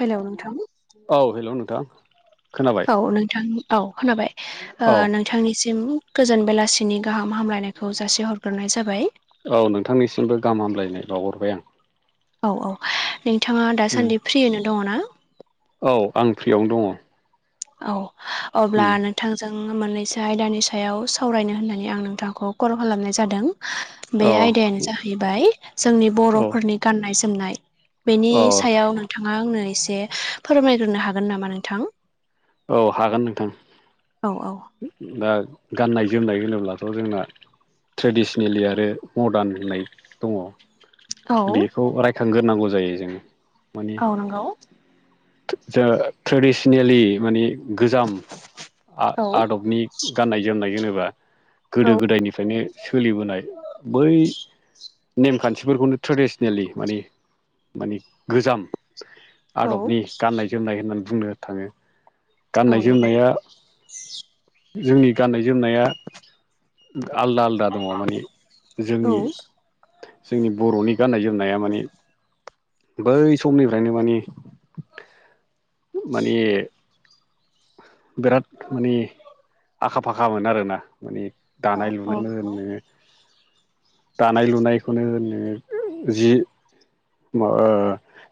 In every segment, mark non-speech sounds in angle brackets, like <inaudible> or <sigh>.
हेल' नोंथां औ हेल' नोंथां खोनाबाय औ नोंथां। औ खोनाबाय औ नों नोंथांनिसिम गोजोन बेलासिनि गाहाम हामलायनायखौ जासिहरग्रोनाय जाबाय। औ नोंथांनिसिमबो गाहाम हामलायनाय बावहरबाय आं। औ औ नोंथाङा उम दासान्दि फ्रियैनो दङ ना? औ आं फ्रियावनो दङ। औ अब्ला उम नों नोंथांजों मोननैसो आयदानि सायाव सावरायनो होननानै आं नोंथांखौ कल खालामनाय जादों। बे औ आयदायानो जाहैबाय जोंनि औ बर'फोरनि गाननाय- जोमनाय। बेनि औ सायाव नोंथाङा आंनो एसे फोरमायग्रोनो हागोन नामा नोंथां? औ हागोन नोंथां। औ औ। दा गाननाय- जोमनाय होनोब्लाथ' जोंना ट्रेडिसनेलि आरो मदार्न होननाय दङ। औ बेखौ रायखांग्रोनांगौ जायो जोङो औ नंगौ। जा ट्रेडिसनेलि माने गोजाम औ आदबनि गाननाय- जोमनाय होनोबा औ गोदो- गोदायनिफ्रायनो सोलिबोनाय बै नेमखान्थिफोरखौनो ट्रेडिसनेलि माने माने गोजाम औ आदबनि गाननाय -जोमनाय होननानै बुंनो थाङो औ गाननाय नंगौ -जोमनाया जोंनि गाननाय -जोमनाया आलदा -आलदा दङ माने जोंनि औ जोंनि बर'नि गाननाय -जोमनाया माने बै समनिफ्रायनो माने माने बिराद माने आखा फाखामोन आरोना माने औ दानाय औ लुनाय होन नंगौ नोङो दानाय लुनायखौनो होनो जि म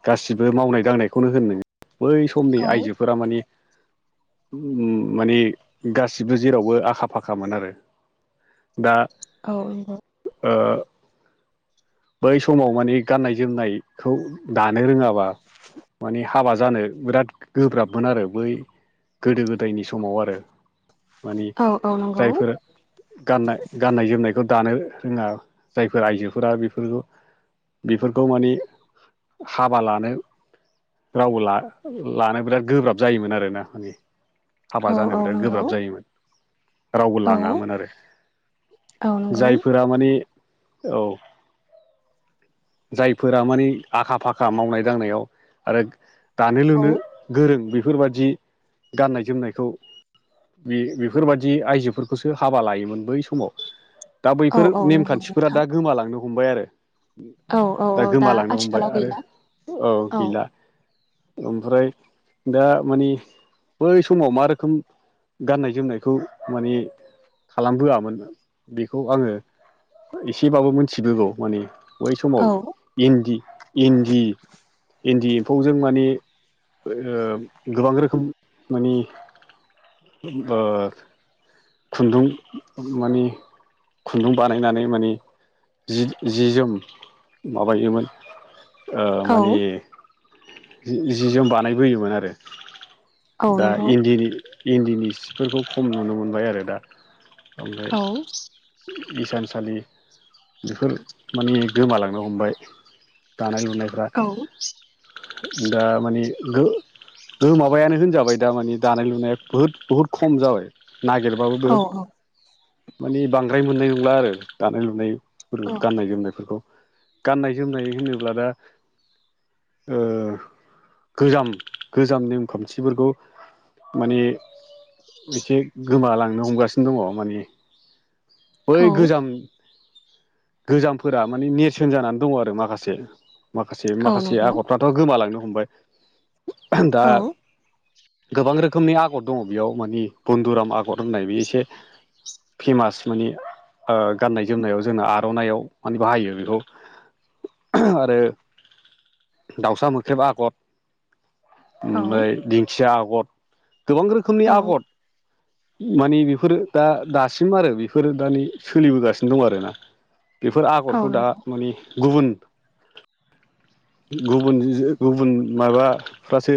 गासिबो मावनाय दांनायखौनो होननो बै सम समनि आइजोफोरा माने माने गासिबो जेरावबो आखा फाखामोन आरो दा औ औ ओ बै समाव माने गाननाय जोमनायखौ दानो रोङाबा मानिे हाबा जानो बिराद गोब्राबमोन आरो बै गोदो गोदायनि समाव आरो मानिे औ नंगौ जायफोरा गाननाय गाननाय जोमनायखौ दानो रोङा जायफोर आइजोफोरा बेफोरखौ बेफोरखौ माने हाबा लानो रावबो लानो बिराद गोब्राब जायोमोन आरोना माने औ हाबा जानो औ बिराद नंगौ गोब्राब जायोमोन रावबो औ लाङामोन आरो औ नंगौ जायफोरा माने औ जायफोरा माने आखा फाखा मावनाय दांनायाव आरो दानो औ लुनो गोरों बेफोरबायाददि गाननाय जोमनायखौ बे बेफोरबायदि आइजोफोरखौसो हाबा लायोमोन बै समाव दा औ बैफोर औ नंगौ नेमखान्थिफोरा नोंथां दा गोमालांनो हमबाय आरो औ औ दा औ गोमालांनो हबाय आथिखालाव आरो गैला औ गैला ओमफ्राय दा मानिे बै समाव मा रोखोम गाननाय जोमनायखौ माने खालामबोआमोन बेखौ आङो एसेबाबो मोनथिबोगौ माने बै औ समाव इन्दि इन्दि इन्दि एम्फौजों माने गोबां रोखोम माने खुन्दुं माने खुन्दुं बानायनानै माने जि जोम माबायोमोन औ माने सि जोम बानायबोयोमोन आरो औ दा नंगौ इन्दिनि इन्दिनि सिफोरखौ खम नुनो मोनबाय आरो दा ओमफ्राय औ इसानसालि बेफोर माने गोमालांनो हमबाय दानाय लुनायफ्रा औ दा माने गो माबायानो होनजाबाय दा मानि दानाय लुनाया बहुद बुहुद खम जाबाय नागिरबाय मो औ बिराद मान बांद्राय मोननाय नंला आरो दानाय लुनाय फोर औ गाननाय जोमनायफोरखौ गाननाय जोमनाय होनोब्ला दा गोजाम गोजाम नेमखान्थिफोरखौ माने एसे गोमालांनो हमगासिनो दङ माने बै गोजाम गोजामफोरा माने नेरसोन जानानै दङ आरो माखासे माखासे औ माखासे नंगौ आगरफ्रा ' गोमालांनो हमबाय दा औ गोबां रोखोमनि आगर दङ बेयाव मानि बनधुराम आगर होननाय बे एसे फेमास माने गाननाय जोमनायाव जोंना आर'नाइाव माने बाहायो बेखौ। ओह आरो दाउसा मोख्रेबा आगर ओमफ्राय औ दिंखिया औ आगर मानि बेफोरो दा दासिम आरो बेफोरो दा नै सोलिबोगासिनो दं आर ना। बेफोर औ आगरखौ दा नंगौ माने गुबुन <unintelligible> गुबुन जि गुबुन माबाफ्रासो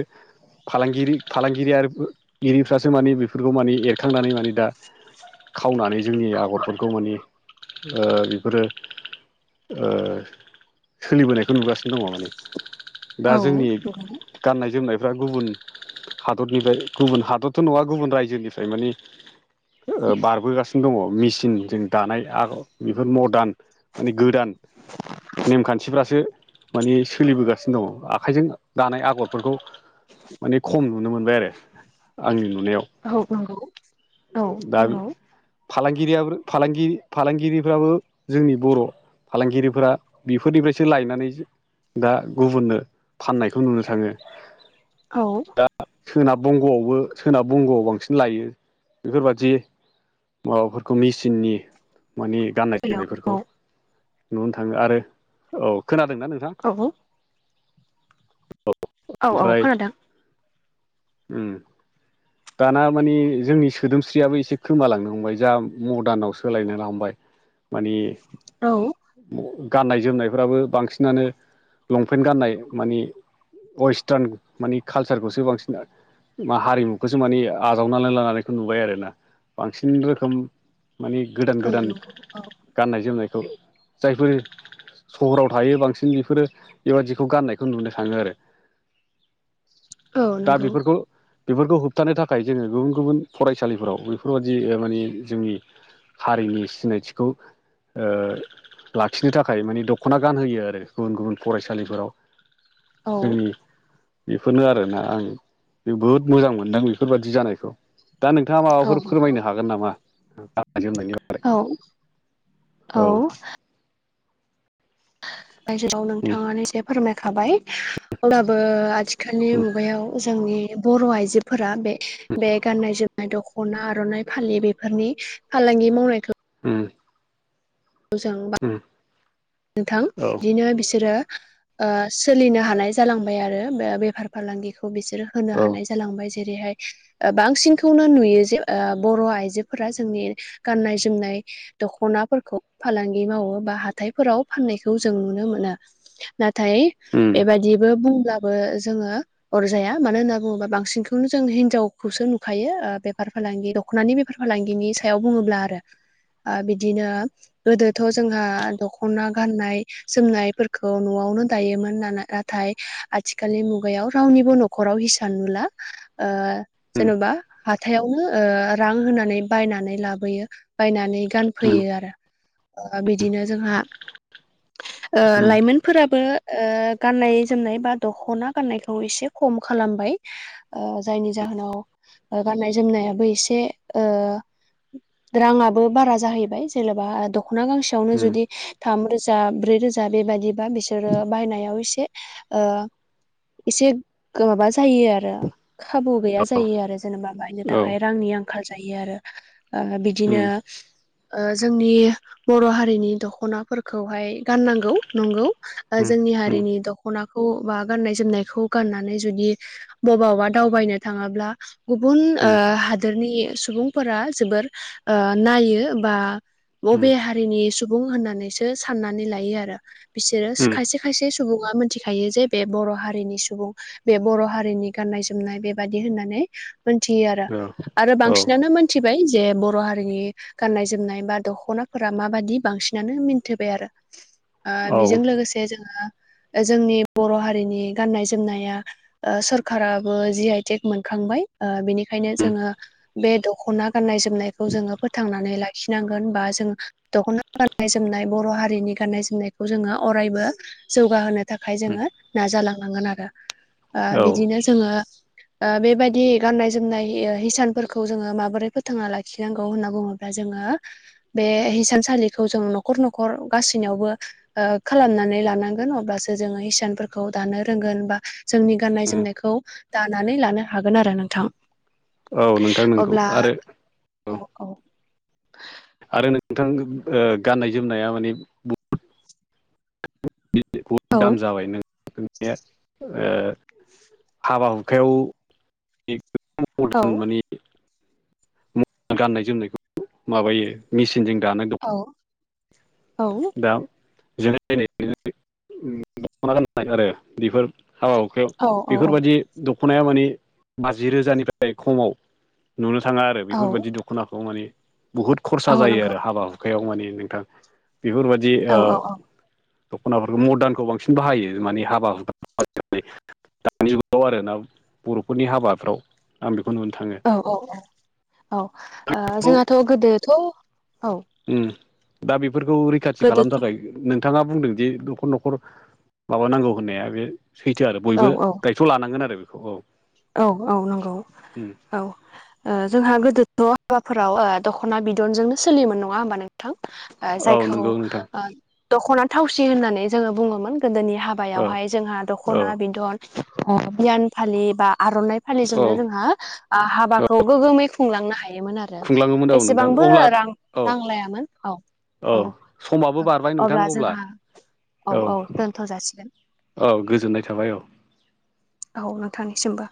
फालांगिरि फालांगिरि आरिफ्रासो मानि बेफोरखौ माने एर खांनानै माने दा खावनानै जोंनि आगरफोरखौ माने ओ बेफोरो ओ सोलिबोनायखौ नुगासिनो दङ माने दा औ नंगौ जोंनि गाननाय जोमनायफ्रा गुबुन हादरनिफ्राय गुबुन हादरथ' नङा गुबुन रायजोनिफ्राय माने ओ बारबोगासिनो दङ मेसिनजों दानाय आगर बेफोर मदार्न माने गोदान नेमखान्थिफ्रासो माने सोलिबोगासिनो दङ आखाइजों दानाय आगरफोरखौ माने खम नुनो मोनबाय आरो आंनि नुनायाव। औ नंगौ। औ दा नंगौ फालांगिरियाबो फालांगि फालांगिरिफ्राबो जोंनि बर' फालांगिरिफोरा बेफोरनिफ्रायसो लायनानै दा गुबुननो फाननायखौ नुनो थाङो। औ। दा सोनाब बंग'आवबो सोनाब बंग'आव बांसिन लायो बेफोरबादि माबाफोरखौ मेचिननि मानि गाननाय हेलौ जोमनायफोरखौ औ नुनो थाङो आरो औ खोनादोंना नोंथां? औ। औ औ औ ओमफ्राय खोनादों उम दाना मानि जोंनि सोदोमस्रियाबो एसे खोमालांनो हमबाय जा मदार्नाव सोलायनो लामबाय। माने औ गाननाय जोमनायफ्राबो बांसिनानो लंपेन्ट गाननाय माने वेस्टार्न माने कालसारखौसो बांसिन आ मा हारिमुखौसो माने आजावनानै लानानै नुबाय आरोना बांसिन रोखोम मानि गोदान औ गोदान नंगौ औ गाननाय जोमनायखौ जायफोर सहराव थायो बांसिन बेफोरो बेबादिखौ गाननायखौ नुनो थाङो आरो। <inaudible> औ दा नंगौ बेफोरखौ बेफोरखौ होबथानो थाखाय जोङो गुबुन गुबुन फरायसालिफोराव बेफोरबादि माने जोंनि हारिनि सिनायथिखौ ओ लाखिनो थाखाय माने दख'ना गानहोयो आरो गुबुन गुबुन फरायसालिफोराव औ जोंनि बेफोरनो आरोना आं जोबोद मोजां मोनदों बेफोरबायदि जानायखौ। दा नोंथाङा माबाफोर फोरमायनो हागोन नामा गाननाय जोमनायनि बारै? औ औ। बायजोेराव उम नोंथाङानो एसे फोरमायखाबाय अब्लाबो आथिखालनि मुगायाव जोंनि बर' आइजोफोरा बे बे गाननाय जोम नाय दख'ना आर'नाइ फालि बेफोरनि फालांगि मावनायखौ उम। मोजां बा <unintelligible> नोंथां औ बिदिनो बिसोरो सोलिनो हानाय जालांबाय आरो बेफार फालांगिखौ बिसोर होनो औ हानाय जालांबाय जेरैहाय बांसिनखौनो नुयो जे बर' आइजोफोरा जोंनि गाननाय जोमनाय दख'नाफोरखौ फालांगि मावो बा हाथाय फोराव फाननायखौ जों नुनो मोना नाथाय उम बेबादिबो बुंब्ला बेबो जोङो अरजाया मानो होनना बुङोबा बांसिनखौनो जों हिनजावखौसो नुखायो बेफार फालांगि दख'नानि बेफार फालांगिनि सायाव बुङोब्ला आरो ओ बिदिनो गोदोथ' जोंहा दख'ना गाननाय जोमनायफोरखौ न'आवनो दायोमोन नालाय नाथाय आथिखालनि मुगायाव रावनिबो न'खराव हिसान नुला ओ उम जेनेबा हाथायावनो रां होनानै बायनानै लाबोयो बायनानै गान उम फैयो आरो बिदिनो जोंहा ओ लाइमोनफोराबो गाननाय जोमनाय बा दख'ना गाननायखौ एसे खम खालामबाय। ओ जायनि जाहोनाव गाननाय जोमनायाबो एसे राङाबो बारा जाहैबाय जेनेबा दख'ना गांसेयावनो उम जुदि थाम रोजा ब्रै रोजा बेबायदिबा बिसोरो बायनायाव एसे ओ एसे माबा जायो आरो खाबु गैया जायो आरो जेनेबा बायनो औ उम थाखाय रांनि आंखाल जायो आरो। ओ उम बिदिनो जोंनि बर' हारिनि दख'ना फोरखौहाय गाननांगौ नंगौ जोंनि उम हारिनि दख'नाखौ बा गाननाय जोमनायखौ गाननानै जुदि बबावबा दावबायनो थाङोब्ला गुबुन हादोरनि सुबुंफोरा जोबोर नायो बा उम बबे हारिनि सुबुं होननानैसो साननानै लायो आरो। बिसोरो औ खायसे खायसे सुबुङा मिथिखायो जे बे बर' हारिनि सुबुं बे बर' हारिनि गाननाय जोमनाय बेबायादि होननानै मोनथियो आरो। आरो औ बांसिनानो मोनथिबाय जे बर' हारिनि गाननाय जोमनाय बा दख'नाफोरा माबादि बांसिनानो मि थिबाय आरो औ बेजों लोगोसे जोंङो जोंनि बर' हारिनि गाननाय जोमनाया ओ सरखाराबो जि आइटेक मोनखांबाय बिनिखायनो उम जोंङो बे दख'ना गाननाय जोमनायखौ जोंङो फोथांनानै लाखिनांगोन बा जों दख'ना गाननाय जोमनाय बर' हारिनि गाननाय जोमनायखौ जोंङो अरायबो जौगाहोनो थाखाय जोंङो उम नाजालांनांगोन आरो औ बिदिनो जोंङो ओ बेबायदि गाननाय जोमनाय हिसानफोरखौ जोंङो माबोरै फोथांना लाखिनांगौ होनना बुङो ब्ला जोंङो बे हिसानसालिखौ जों न'खर न'खर गासैनियावबो ओ खालामनानै लानांगोन अब्लासो जोंङो हिसानफोरखौ दानो रोंगोन बा जोंनि गाननाय उम जोमनायखौ दानानै लानो हागोन आरो नोंथां। औ नोंथां नोंगौ अब्ला आरो औ औ आरो नोंथां गाननाय जोमनाया माने बहुद औ दाम जाबाय नोंथांनि हाबा हुखायाव औ <unintelligible> माने गाननाय जोमनायखौ माबायो मेसिनजों दानानै दं औ औ दा जनाय दख'ना गाननाय आरो बेफोर हाबा हुखायाव औ औ बेफोरबायदि दख'नाया माने बाजि रोजानिफ्राय खमाव नुनो थाङो आरो औ बेफोरबायदि दख'नाखौ माने बुहुत खरसा औ जायो नंगौ आरो हाबा हुखायाव माने नोंथां बेफोरबायदि ओ औ औ औ दख'नाफोरखौ मदार्नखौ बांसिन बाहायो माने हाबा हु दानि जुगाव आरो ना बर'फोरनि हाबाफ्राव आं बेखौ नुनो थाङो औ औ औ औ जोंहाथ' गोदोथ' औ अम दा बेफोरखौ रैखाथि खालामनो गोदोथ' थाखाय नोंथाङा बुंदों जे नखर न'खर माबानांगौ होननाया बे सैथो आरो औ बयबो औ गाय सौ लानांगोन आरो बेखौ औ औ औ नंगौ उम औ। ओ जोंहा गोदोथ' हाबाफोराव ओ दख'ना बिदनजोंनो सोलिोमोन नङा होमबा नोंथां। औ जायखौ नंगौ नोंथां ओ दख'ना थावसि होननानै जोङो बुङोमोन गोदोनि हाबा औ बहाय जोंहा औ दख'ना बिदन गोदान फालि बा आर'नाइ औ फालिजोंनो जोंहा ओ हाबाखौ गोगोमै खुंलांनो हायोमोन आरो आरो खुंलाङोमोन औ नोंथां एसेबांबो अब्ला रां औ नांलायामोन औ। औ समाबो बारबाय नोंथां अब्ला जोंहा औ औ दोनथ' जासिगोन। औ गोजोननाय थाबाय औ औ नोंथांनिसिमबो।